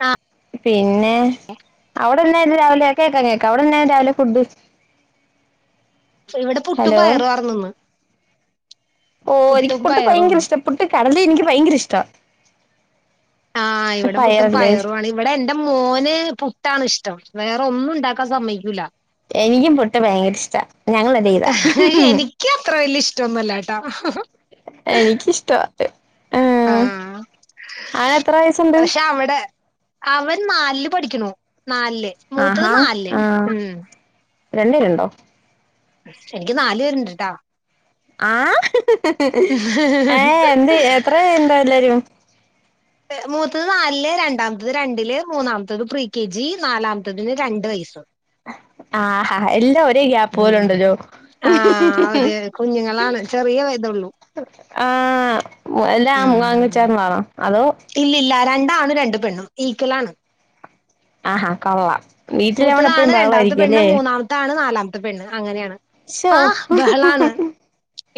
ആ പിന്നെ അവിടെന്നായിരുന്നു രാവിലെ? കേക്കാ കേക്കാം അവിടെന്നാരുന്നു രാവിലെ ഫുഡ്? ഇവിടെ പുട്ടും ഹലോ പയറും ആർനിന്ന്. ഓ എനിക്ക് പുട്ട് പയറും ഭയങ്കര ഇഷ്ട. പുട്ട് കടല് എനിക്ക് ഭയങ്കര ഇഷ്ട. ആഹ് ഇവിട പുട്ടും പയറുവാണ്. ഇവിടെ എന്റെ മോന് പുട്ടാണ് ഇഷ്ടം. വേറെ ഒന്നും ഉണ്ടാക്കാൻ സമ്മയിക്കൂല്ല. എനിക്കും പുട്ട് ഭയങ്കര ഇഷ്ട. എനിക്ക് അത്ര വല്യ ഇഷ്ട്ടോന്നുമല്ലാട്ടാ. എനിക്കി ഇഷ്ട്ടാ, ഉം ആഹ് ആന് എത്ര വയസുണ്ട്? പക്ഷെ അവിടെ അവൻ നാലില് പഠിക്കണു, നാലില്. ആഹ് മൂത്തത് നാലില് ആ ഉം രണ്ട് പേരുണ്ടോ? എനിക്ക് നാല് പേരുണ്ട്ട്ടാ. ആഹ്, ഏഹ് എന്ത് എത്ര ഇണ്ട് എല്ലാരും? [inaudible] മൂത്തത് നാലില്, രണ്ടാമത്തത് രണ്ടില്, മൂന്നാമത്തത് പ്രീ കെ ജി, നാലാമത്തതിന് രണ്ട് വയസ്സ്. ആഹ് ഹാ എല്ലാ ഒറ്റ [unintelligible] ഗ്യാപ്പു ഉം പോലുണ്ടല്ലോ. ആഹ് ഒരു കുഞ്ഞുങ്ങളാണ് ചെറിയ ഇതള്ളൂ ആഹ് എല്ലാ ഉം [unintelligible] ആണോ അതോ, ഇല്ലില്ല, രണ്ടാണ് രണ്ട് പെണ്ണും ഈക്കൊലാണ്. ആഹാ കൊള്ളാം. വീട്ടിലവടെ എപ്പഴും ബഹളായിരിക്കൊല്ലേ. താണ് നാലാമത്തെ പെണ്ണ് അങ്ങനെയാണ്. ശോ ആഹ് ബഹളാണ്.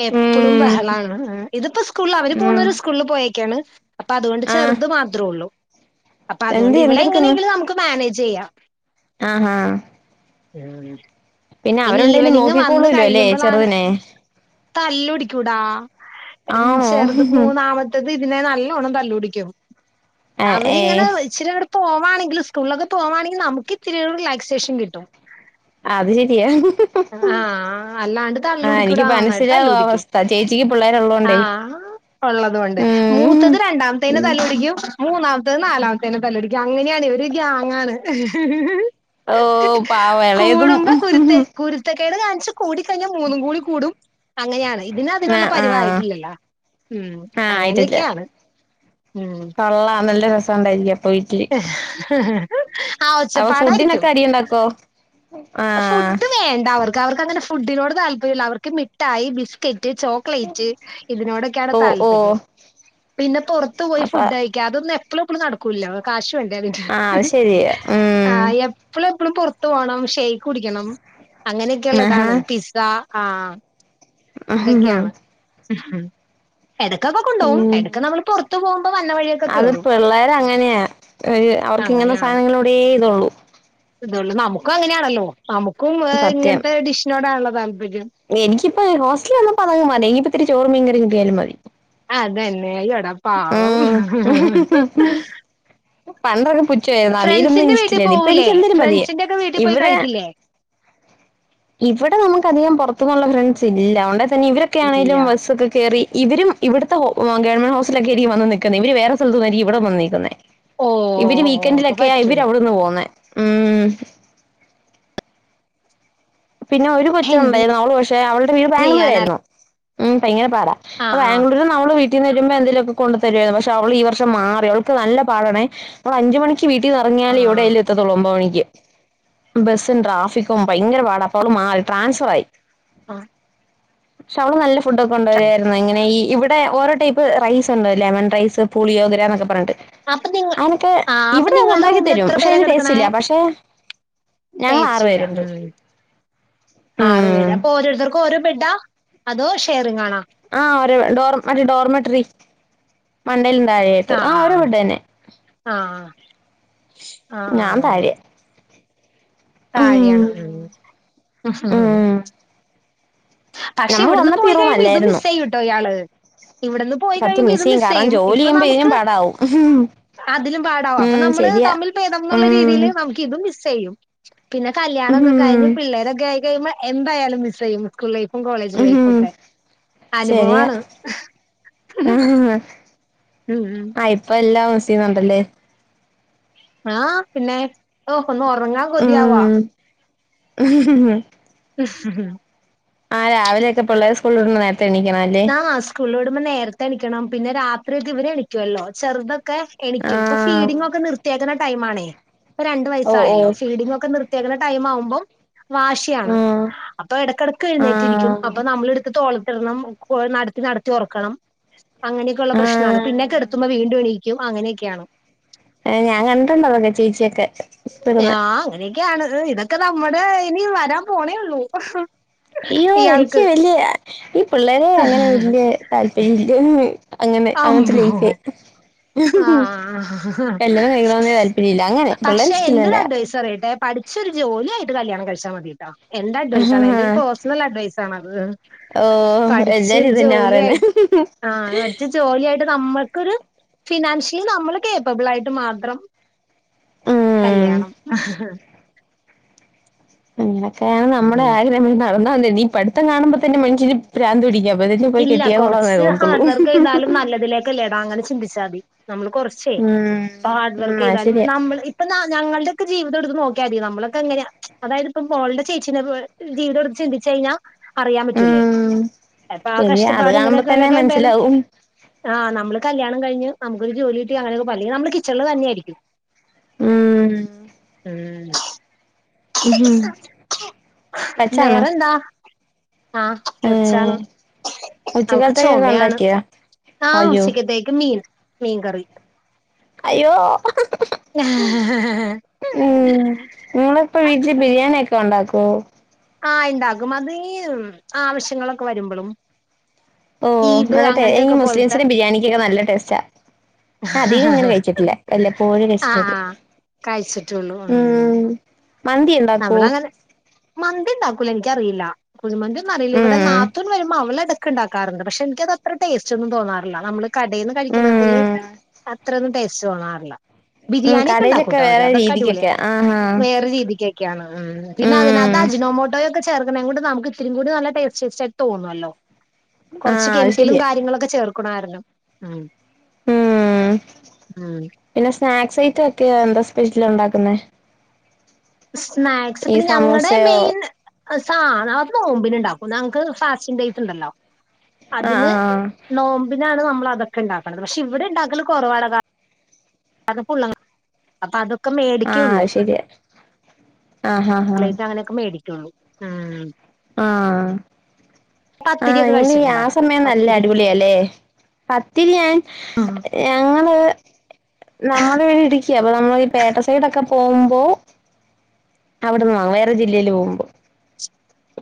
എപ്പളും ഉം ബഹളാണ് ഉം, ഇതിപ്പോ സ്കൂളില് അവര് ഉം മൂന്നെരും സ്കു ളില് പോയേക്കേണ്. അപ്പൊ അതുകൊണ്ട് ആഹ് ചെറുത് മാത്രോള്ളൂ. അപ്പൊ അതൊണ്ട് എന്ത് ഇവിളെ എന്തെടുക്കുന്നു എങ്ങനെയെങ്കിലും നമുക്ക് മാനേജ് ചെയ്യാം. ആഹ് ആ. ഇനി അവരുണ്ടേലും ഈവനിങ് വന്ന് നോക്കിക്കോളൂല്ലോ അല്ലേ കഴിയുമ്പളാണ്, ചെറുതിനെ തല്ലുടിക്കൂടാ, ആണോ ചെറുത് മൂന്നാമ ത്തത് ഇതിനെ നല്ലോണം തല്ലുപിടിക്കും. ആഹ് ഏഹ് അവരിങ്ങനെ ഇച്ചിരിങ്ങട് പോവാണെങ്കില്, സ്കൂളിലൊക്കെ പോവാണെങ്കില് നമുക്ക് ഇത്തിരിയൊരു റിലാക്സേഷൻ കിട്ടും. അത് ശരിയാ ആഹ് അല്ലാണ്ട് ആഹ് എനിക്ക് തല്ലുടിക്കൂടാ നന്നായിട്ട് മനസ്സിലാവും ആ തല്ലുടിക്കും. അവസ്ഥ ചേച്ചിക്ക് ആ പിള്ളേരുള്ളോണ്ടേ ഉള്ളത കൊണ്ട് ഉം മൂത്തത് രണ്ടാമത്തേന്നെ ഉം തല്ല് പിടിക്കും മൂന്നാമത്ത നാലാമത്തേന്നെ തല്ലടിക്ക അങ്ങനെയാണ് ഒരു ഗാങ്ങാണ് ഓ പാ വിളയത കുരുത്ത ത്തക്കേട് കാണിച്ച് കൂടിക്കഴിഞ്ഞാൽ മൂന്നും കൂടി കൂടും അങ്ങനെയാണ് ഇതിന് അതിനുള്ള ആഹ് ആഹ് പരിവായിട്ടില്ലല്ലോ ഉം ആഹ് അങ്ങനെയൊക്കെയാണ് ഉം കൊെള്ള നല്ല രസം ഉണ്ടായിരിക്കും ആഹ് ഒച്ചപ്പാടായിരിക്കും ടീ ണ്ടെക്കോ ഫുഡ് വേണ്ട അവർക്ക് അവർക്ക് അങ്ങനെ ഫുഡിനോട് താല്പര്യല്ല അവർക്ക് മിഠായി ബിസ്ക്കറ്റ് ചോ ക്ലേറ്റ് ഇതിനോടൊക്കെയാണ് ഓ ഓ താല്പര്യം പിന്നെ പൊറത്ത് പോയി അപ്പ ഫുഡ് കയിക്ക അതൊന്നും എപ്പളും എപ്പോളും നടക്കൂല്ലോ? കാശു വേണ്ടേ പിന്നെ ആഹ് അത് ശരിയാ ഉം ആഹ് എപ് എപ്പോളു എപ്പളും പൊറത്ത് പോണം ഷൈക്ക് കുടിക്കണം അങ്ങനെയൊക്കെയള്ള ആഹാ ഇതാണ് പിസ്സ ആഹ് ഇതൊക്കെയാണ് എടയ്ക്കൊക്കെ കൊണ്ടോകും ഉം എടയ്ക്ക് നമ്മള് പൊറത്തു പോവുമ്പോ വന്ന വയിയൊക്കെ കേറും ഏ അവർക്ക് ഇങ്ങനെ അങ്ങനെയാണ് സാധനങ്ങളോടെേ ഇ്തൊള്ളൂ ഇതൊള്ളൂ നമുക്കും അങ്ങനെയാണല്ലോ നമുക്കും ഇങ്ങനത്തെ ഡിഷിനോടാണല്ലോ താല്പര്യം എനിക്കിപ്പോ ഹോസ്റ്റൽ വന്നപ്പോ അതങ് മതി ഇനിപ്പോ ഇത്തിരി ചോറ് മീൻകറി കിട്ടിയാലും മതി അതന്നെ അയ്യോട പാവം ഉം പണ്ടൊക്കെ പുച്ഛമായിരുന്നു അവിയലൊന്നും ഫ്രണ്ട്സിന്റെ വീട്ടിൽ എനിക്കിഷ്ടല്ലായിരുന്നു ഇപ്പൊ പോവൂലേ? എനിക്ക് എന്തേലും മതി ഫ്രണ്ട്സിന്റെ ഒക്കെ വീട്ടിൽ പോയി കഴിക്കില്ലേ? ഇവടെ നമക്ക് അധികം പൊറത്തുന്നുള്ള ഫ്രണ്ട്സ് ഇല്ല ഒണ്ടേ തന്നെ ഇവരെ ക്കെ ഇല്ല ആണെലും വസ്സോക്കെ കേറി ഇവരും ഇവിടുത്തെ ഹോ ഗവൺമെന്റ് ഹോസ് സ്പിറ്റലൊക്കെയായിരിക്കും വന്ന് നിക്കുന്നെ ഇവര് വേറെ സ്ഥലത്തുന്നായിരിക്കും ഇവടെ വന്ന് നിക്കുന്നെ ഓ ഓ ഇവര് ഓ അപ്പൊ വീക്കെൻഡിലൊക്കെയ പറ്റൂല ഇവര് അവിടെന്ന് പോന്നേ ഉം പിന്നെ ഒരു കൊച്ച് എന്ത് ഒണ്ടായിരുന്നു അവള് പക്ഷെ അവളുടെ വീട് ചെയ്യാനാ ബാംഗ്ലൂരായിരുന്നു ഉം ഭയങ്കര പാടാ ആഹ് ആഹ് ബാംഗ്ലൂർ അവള് വീട്ടീന്ന് വരുമ്പോ എന്തേലൊക്കെ കൊണ്ട് തരുവായിരുന്നു പക്ഷെ അവള് ഈ വർഷം മാറി അവൾക്ക് നല്ല പാടണേ അവളഞ്ചു മണിക്ക് വീട്ടീന്നെറങ്ങിയാല് ഇവിടെയല്ല ത്തത്തൊള്ളൂ ഒമ്പത് മണിക്ക് ബസ്സും ട്രാഫിക്കും ഭയങ്കര പാടാ അപ്പൊ അവള് മാറി ട്രാൻസ്ഫറായി ആഹ് പക്ഷെ അവള് നല്ല ഫുഡ് ഒക്കെ ആഹ് കൊണ്ടരായിരുന്നു ഇങ്ങനെ ഈ ഇവിടെ ടെ ഓരോ ടൈപ്പ് റൈസ് ഒണ്ട് ലെമൺ റൈസ് പുളിയോ ഗ്രന്നൊക്കെ പറഞ്ഞിട്ട് അപ്പൊ നിങ്ങ അനൊക്കെ ആഹ് അപ്പൊ ഇവിടെ നിങ്ങളുടെ അതുണ്ടാക്കി റൂമിൽ തരും എത്ര പക്ഷെ പേരാ അയിന് ടേസ്റ്റില്ല പക്ഷെ ഞങ്ങൾ ആറു ടെസ്റ്റില്ല പേരുണ്ട് ഉം ആറ് ഉം പേര് അപ്പൊ ഓരോരുത്തർക്കും ഓരോ ബെഡാ അതോ ഷെയറിങ്ങാണാ ആ ഓര ഡോർ മറ്റെ ഡോർമെട്ട്റി മണ്ടൽ താഴെയായിട്ട് ആഹ് ആ ഓരോ ബെഡന്നെ. ആഹ് ആഹ് ആഹ് ഞാൻ ആഹ് താഴയെ താഴെയാണ് ഉം ഉം ഉം പക്ഷെ നമ്മൾ ഇവിടുന്ന് വന്നപ്പോ പോയി ഈ റൂം കഴിയുമ്പോ ഇത് അല്ലായിരുന്നു മിസ്സായ്യുട്ടോ ഇയാള് ഇവിടെന്ന് പോയി സത്യം കഴിയുമ്പോ ഇത് മിസ് കാരണം ചെയ്യും ജോലി ഇപ്പൊ ചെയ്യുമ്പോ ഇതിനും നമുക്ക് പാടാവും അതിലും പാടാവു അപ്പൊ ഉം നമ്മള് ശരിയാ തമ്മിൽ പേദം എന്നുള്ള ഉം രീതിയില് നമുക്ക് ക്ക് ഇതും മസ്സെയ്യുംപിന്ന കല്യാണമൊക്കെ ഉം കഴിഞ്ഞഞ് പിള്ളേരൊക്കെ ആയി കഴിയുമ്പോൾ എന്തായാലും മിസ്സെയ്യും സ്കൂൾ ലൈഫും കോളേജ് ലൈഫും ഉം ഒക്കെ ശരിയാ അനുഭവാണ് ഉം ഉം ആഹ് ഇപ്പം എല്ലാം മസീയുന്നുണ്ടല്ലേ? ആഹ് പിന്നെ ഹോ ഒന്ന് ഒറങ്ങാൻ കൊതിയാവാ [inaudible] ആഹ് രാവിലെക്കെ പിള്ളേര് സ്കൂള്ടുന്ന നേരം തെണീക്കണല്ലേ? ആഹ് സ്കൂളിലോടുമ്പോ നേരത്തെണിക്കണം. പിന്നെ രാത്രിയൊക്ക ഇവരെണിക്കുവല്ലോ? ചെറുതൊക്കെ. എണിക്കും. ഇപ്പൊ ഫീഡിംഗ ഒക്കെ നിർത്തിയേക്കുന്ന ടൈമാണേ, ഇപ്പൊ രണ്ട് ഓ ഓ വയസ്സായല്ലോ ഫീഡിംഗ ഒക്കെ നിർ നിർത്തിയെക്കുന്ന ടൈം ആവുമ്പം വാശിയാണ് അപ്പൊ എടക്കെടക്ക് എഴുന്നേറ്റിരിക്കും ആഹ് അപ്പൊ നമ്മള്ടുത്ത് തോളത്തിടണം ളെ നടത്തി നടത്തി ഒറക്കണം അങ്ങനെയൊക്കൊള്ള പ്രശ്നമാണ് പിന്നെ കെടത്തുമ്പോ വീണ്ടും എണീക്കും അങ്ങനെയൊക്കെയാണ് ഏഹ് ഞാൻ കണ്ടിണ്ടോതൊക്കെ ചേച്ചിയൊക്കെ ഇടുന്നെ ആഹ് അങ്ങനെയൊക്കെയാണ് ഇതൊക്കെ നമ്മുടെ ഇനി വരാൻ പോണേ ഒള്ളൂ അയ്യോ എനിക്ക് വല്യ ഈ പിള്ളരെ അങ്ങനെ വല്യ താല്പര്യംല്ല്യന്നേ അങ്ങനെ അങ്ങൻത്തെ ലൈഫേ ആ കല്യാണം കഴിക്കണോന്ന് താല്പര്യല്ല അങ്ങനെ പിള്ളേരെ പക്ഷെ എന്റെരു ഇഷ്ടല്ലല്ല അഡ്വൈസ് പറയട്ടെ പഠി ച്ചൊരു ജോലിയായിട്ട് കല്യാണം കഴിച്ചാൽ മതി ട്ടോ എന്റെ അഡ്വൈസാണ് എന്റെരു പേഴ്സണൽ അഡ്വൈസാണത് ഓ എല്ലാരും പഠിച്ചൊരു ഇതന്നെയാ ജോലിയായിട്ട് പറയുന്നെ ആ പഠിച്ച് ജോലിയായിട്ട് നമ്മൾക്കൊരു ഫിനാൻഷ്യലി നമ്മള് കേപ്പബിളായിട്ട് മാത്രം ഉം കല്യാണം അങ്ങനൊക്കെയാണ് നമ്മുടെ ഉം. അങ്ങനെക്കേണ് നമ്മളെ ആഗ്രഹം നടന്നാ മതി ഈ പഠിത്തം കാണുമ്പോ തന്നെ മനുഷ്യന് പ്രാന്ത് പിടിക്കും അപ്പഴത്തേക്കും പോയി ഇല്ല കെട്ടിയാ കൊള്ളാന്നേ കുറച്ച് തോന്നത്തുള്ളൂ ഹാർഡ് വർക്കൈയ്താലും നല്ലതിലേക്കല്ലേടാ അങ്ങനെ ചിന്തിച്ചാതി നമ്മള് കുറച്ചേ ഉം പ്പാ ഹാർഡ് ഉം അത് വർക്കൈയ്താലും ശരിയാ നമ്മള് ഇ ഇപ്പൊ നാ ഞങ്ങൾടെക്കെ ജീവിതെടുത്ത് നോക്കിയാമതി നമ്മളൊക്കെ ങ്ങനെ അതായത്പ്പൊ മോള്ടെ ചേച്ചീനെപോലെ ജീവിതെടുത്ത് ചിന്തിച്ചഴിഞ്ഞാൽ അറിയാൻ പറ്റൂലേ ഉം അപ്പൊ ആ ശെരിയാ അത് കഷ്ടപ്പാട് കാണുമ്പോ തന്നെ ഇങ്ങനെയൊക്കെക്കെ ഭേദം മൻസ്സിലാവും ആ നമ്മള് കല്യാണം കഴിഞ്ഞ് നമക്കൊരു ജോലികിട്ടി അങ്ങനെക്കേഅല്ലെങ്കി നമ്മള് കിച്ചണില് തന്നെയേരിക്കും ഉം ഉം ഉം വെച്ചാണോ വേറെന്താ ആഹ് കൊച്ചാണ് ഉം അവക്ക് ഉച്ചക്കത്തേക്കൊക്കെ ചൊമയാണ് ഉണ്ടാക്കിയോ ആ അയ്യോ ഉച്ചക്കത്തേക്ക് മീൻ മീൻകറി അയ്യോ ഉം നിങ്ങള ഇപ്പോ വീട്ടി ബിരിയാണിയോക്കെണ്ടാക്കോ ആ ഇണ്ടാകും അത് ഈ ആവശ്യങ്ങളൊക്കെ വരുമ്പഴും ഓ നല്ല ടേ ഈ മുസ്ലിംസിംന്റെ ബിരിയാണിക്കൊക്കെ നല്ല ടേസ്റ്റാ അധികം പോലത്തെ അങ്ങനെ കഴിച്ചിട്ടില്ലാ വെല്ലപ്പോഴും ആഹ് കഴിച്ചിട്ടോള്ളൂ ആഹ് ഉം മന്തിയെന്നും നമ്മളങ്ങനെ മന്തി ണ്ടാക്കൂല എനിക്കറിയില്ല കുഴിമന്തിയൊന്നും അറിയില്ല ഇവിടെ ഉം നാത്തൂൻ വരുമ്പോ അവലെടക് ക്ക് ണ്ടാക്കാറുണ്ട് പക്ഷെ എനിക്ക്ത് അത്ര ടേസ്റ്റ് ഒന്നും തോന്നാറില്ല നമ്മള് കടേന്ന് കഴിക്കുന്നതില് ഉം ത്രേന്നും ടേസ്റ്റ് തോന്നാറില്ല ഉം ബിരിയാണിയൊക്കെ കടയിലൊക്കെ ഉണ്ടാക്കൂട്ടോ അവര് വേറെ അതൊക്കെ അടിപൊളിയാ രീതിക്കൊക്കെ ആഹാ വേറെ രീതിക്കേ യാന്ന് പിന്നെ അതിനകത്ത് ഉം അജിനോമോട്ടോയോ ചേർക്ക്ണേംകൊണ്ട് നമക്ക് ഇത്തിരിം കൂടി നല്ല ടസ്റ്റ് സ് ച്ചായിട്ട് തോന്നുവല്ലോ കൊർച്ച് ആഹ് അത് കെമിക്കലും ശരിയാ കാര്യങ്ങളൊക്കെ ചേർക്കൊണായിരുന്നു ഉം ഉം ഉം പിന്നെ സ്നാക്സ് ഐറ്റൊക്കെ എന്താ സ്പെഷ്യൽ ഉണ്ടാക്കുന്നെ സ്നാക്സ് പിന്നെ ഞങ്ങടെ സമൂസയോ മെയിൻ. സാ നാ നോമ്പിനുണ്ടാക്കും ഞങ്ങക്ക് ഫാസ്റ്റിങ് ഡയ്റ്റ്ണ്ടല്ലോ ആഹ് അതിന്. ആഹ് നോമ്പിനാണ് നമ്മളതൊക്കെ ഇണ്ടാക്ക്ണത് പക്ഷേ ഇവിടെ ഇണ്ടാക്കല് കൊറവാണ്. അത് ഫുള്ളാണ് അപ്പൊ അതൊക്കെ ആഹ് മേടിക്കേള്ളൂ. അത് ശരിയാ ആഹ് ആഹ് ലൈറ്റാ അങ്ങനെയൊക്കെ മേടിക്കൊള്ളൂ ആഹ്. ആഹ് ആഹ് പത്തിരിയൊക്കെ ഇങ്ങനെ ഈ കഴിച്ചിട്ടുണ്ടോ ആഹ് സമയം നല്ല പത്തിരി അടിപൊളിയാല്ലേ? പത്തിരി ഞാൻ ആഹ് ഞങ്ങള്. നമ്മളെ ടിക്ക്യാ അപ്പോ നമ്മളീ പേട്ട സൈഡൊക്കെ പോവുമ്പോ. അവിട്ന്ന് വാങ്ങും വേറെ ജില്ലേല് പോവുംമ്പോ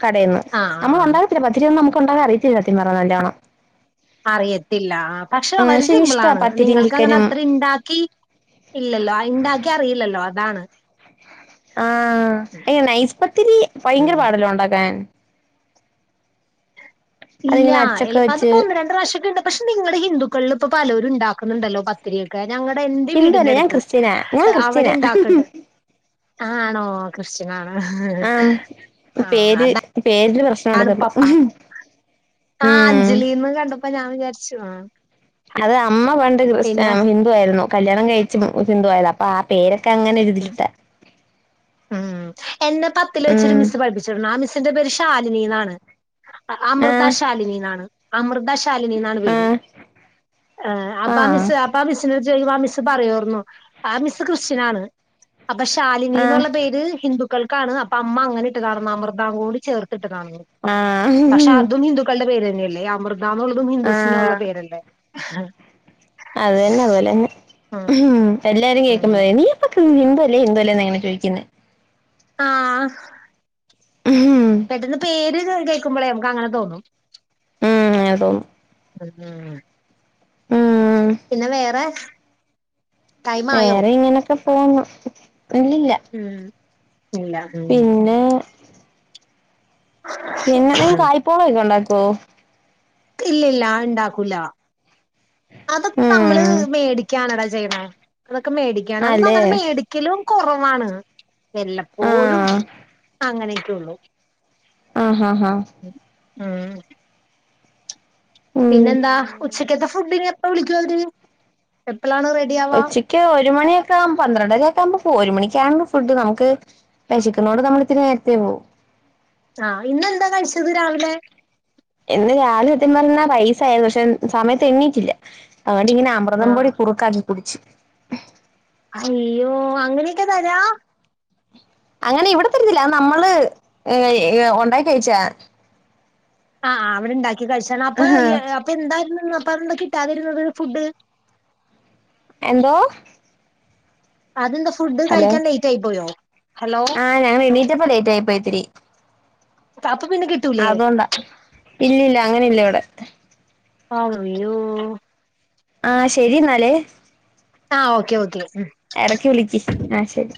കടേന്ന് ആഹ് നമ്മളൊണ്ടാ ത്തില്ല പത്തിരിയൊന്നും നമുക്കുണ്ടാക്കാൻ അറിയത്തില്ലാ സത്യം പറ്ഞ്ഞാ നല്ലോണം. അറിയത്തില്ല ആഹ് പക്ഷെ വളരെ എനിക്കിഷ്ടാ സിമ്പിളാണ് പത്തിരിയും നിങ്ങൾക്ക് അങ്ങനെ ചിക്കനും അത്രണ്ടാക്കി. ഇല്ലല്ലോ ഇണ്ടാക്കി അറിയില്ലല്ലോ അതാണ്. ആഹ് ഏ നൈസ്പത്തിരി ഭയങ്കര ഉം പാടല്ലേ ഒണ്ടാക്കാൻ? അതിങ്ങനെ ഇല്ലൃ അച്ചൊക്കെ എള്പ്പാ വെച്ച് അത്പ്പൊ ഒന്ന് രണ്ട് പ്രാശ്യക്കെണ്ട് പക്ഷേ നിങ്ങടെ ഹിന്ദുക്കളിൽ ഇപ്പ പലരും ണ്ടാക്കുന്നുണ്ടല്ലോ പ ത്തിരിയോക്കെ ഞങ്ങടെ എന്റെ ഹിന്ദുവല്ല വീടിന്റെ ഞാൻ അടുത്ത് ക്രിസ്ത്യനാ ഞാൻ അവടെ ക്രിസ്ത്യനാ ഇണ്ടാക്ക്ണ്ട്. ആണോ? കൃഷ് കാണാ ആഹ് ഹാ അഹ് പേര് അതാ പേരില് പ്രശ്നം ഉണ്ടെന്നുള്ളു ആണ്പ്പപ്പ ആഹ് ഉം അഞ്ജലീന്ന് കണ്ടപ്പോ ഞാൻ വിചാരിച്ചു. അത് അമ്മ പണ്ട് ക്രിസ്ത്യ പിന്നെ ഏഹ് ഹിന്ദുവായിരുന്നു കല്യാണം കഴിച്ച് ഹിന്ദുവായത അപ്പ ആഹ്. പേരൊക്കെ അങ്ങനെ ഉം ഒരിതിലിട്ടാ. ഉം എന്നെ പത്തില് വെച്ചൊരു ഉം മിസ്സ് പഠിപ്പിച്ചിട്ട്ണ്ട് ആഹ് മിസ്സിന്റെ പേര് ഷാലിനിന്നാണ്. അഹ് അമൃത ആഹ് ശാലിനിന്നാണ് അമൃതശാലിനിന്നാണ് പേര്. ആഹ് ആഹ് അപ്പാ ആഹ് മിസ്സ് അപ്പാ മിസ്സ്. ദൈവാ മിസ്സ് പറയോർന്നു ആഹ് മിസ്സ് ക്രിസ്ത്യനാണ് അപ്പോ ഷാലിനിന്ന്ള്ള പേര്. ഹിന്ദുക്കൾക്കാണ് അപ്പ അമ്മ അങ്ങനെ ഇട്ട് കാണുംന്ന് അമൃതാന്നു കൂടി ചേർത്ട്ട് കാണുംന്ന്. പക്ഷ ആഹ് അതും ഹിന്ദുക്കൾടെ പേര്ന്നെല്ലേ അമൃതാന്നുള്ളതും ഹിന്ദുസിനുള്ള ആഹ് പേരല്ലേ. ഹാ. അതന്നെ അതു പോലെന്നെ ഉഹ് എല്ലാരും കേൾക്കുന്നൊരെ നീ വക്ക് ഹിന്ദു അല്ലേ ഹിന്ദു അല്ലേ എന്നങ്ങെനെ ചോയ്ചീന്നെ. ആഹ്. മ് ഹു. പെട്ടെന്ന് പേര് കേൾ കേക്കുമ്പളെ നമ്മുക്കങ്ങനെ തോന്നും. ഉം അത് തോന്നും. ഉം ഉഹ്. ഉം പിന്നെ വേറെ? ടൈം ആയോ വേറേം ഇങ്ങനെക്കെ പോവുന്നു ഇല്ലില്ല. ഉം ഇല്ല തോന്നി. പിന്നെ പിന്നെ നിങ്ങക്ക് ഐപോളൊക്കെ ഉണ്ടാക്കോ? ഇല്ലൃല്ല അഅ് ഇണ്ടാക്കൂല. അതൊക്കെ നമ്മള് ഉം മേടിക്കാണെടാ ചെയ്യ്ന്നേ അതൊക്കെ മേടി ക്കണതും അല്ലേ അങ്ങനെ മേടിക്കലും കൊറവാണ്. വെല്ലപ്പോഴും ആഹ് അങ്ങനെക്കെയുള്ളു. ആഹ് ഹാ ഹാ മ്. ഉം പിന്നെന്താ ഉച്ചക്കത്തെ ഫുഡിന് എപ്പോ വിളിക്കു അവര് എപ്പളാണ് റെ ഉച്ചക്ക് ഒരു മണിയൊക്കാവും പന്ത്രണ്ടരക്കാവുമ്പ പോരും ഒരുമണിക്കാവുമ്പൊ ഫുഡ് നമുക്ക് വെഷക്ക്ണോണ്ട് നമ്മളിത്തിരി നേരത്തെ പോവും ആഹ് ഇന്നെന്താ കഴിച്ചത് രാവിലെ ഇന്ന് രാവിലെ സത്യം പറഞ്ഞാ റൈസായി പക്ഷെ സമയത്ത് എണീറ്റില്ല അതോണ്ടിനി ഞമ്മ ആഹ് അമൃതംപൊടി കുറക്കാക്കി കുടിച്ച് അയ്യോ അങ്ങനെക്കെ തരാ അങ്ങനെ ഇവിടെ തര്ന്നില്ല നമ്മള് ഏഹ് ഉണ്ടായി കഴിച്ച ആ അവടെണ്ടാക്കി കഴിച്ചാണ് അപ്പൊ ആഹാ ഇ അപ്പെന്തായിരുന്നുന്നപ്പന്താ കിട്ടാതിര്ന്നത് ഫുഡ് എന്തോ അതെന്താ ഫുഡ് കഴിക്കാൻ ലേറ്റായി പോയോ ഹലോ ആ ഞാൻ എണീറ്റപ്പ ലേറ്റായി പോയിത്തിരി അപ്പൊ പിന്നെ ക്കി അതോണ്ടാ ഇല്ലില്ല അങ്ങനെല്ലവടെ അയ്യോ ആഹ് ശെരിന്നാലേ ആഹ് ഓക്കെ ഓക്കെ എടക്ക് വിളിക്ക് ആ ഹ് ശരി